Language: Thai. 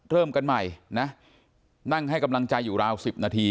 เริ่มกันใหม่นะนั่งให้กำลังใจอยู่ราว๑๐นาที